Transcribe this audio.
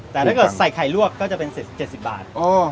แต่ถ้าเกิดใส่ไข่ลวกก็จะเป็น๗๐บาท